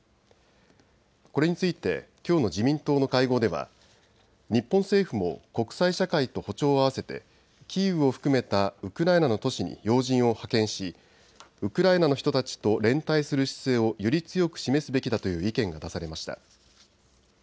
これについてきょうの自民党の会合では日本政府も国際社会と歩調を合わせてキーウを含めたウクライナの都市に要人を派遣しウクライナの人たちと連帯する姿勢をより強く示すべきだという意見が出されました。